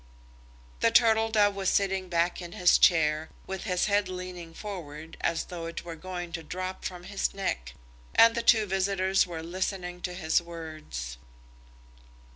The Turtle Dove was sitting back in his chair, with his head leaning forward as though it were going to drop from his neck, and the two visitors were listening to his words.